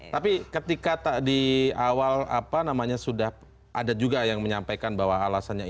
tapi ketika di awal apa namanya sudah ada juga yang menyampaikan bahwa alasannya